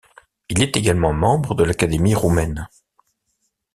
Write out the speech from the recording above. Il est également membre de l'Académie roumaine.